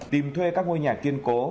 tìm thuê các ngôi nhà kiên cố